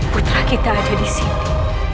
putra kita ada disini